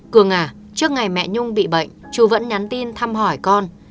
cường ngà trước ngày mẹ nhung bị bệnh chú vẫn nhắn tin thăm hỏi con